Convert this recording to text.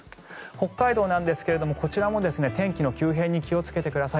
北海道なんですがこちらも天気の急変に気をつけてください。